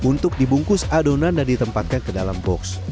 untuk dibungkus adonan dan ditempatkan ke dalam box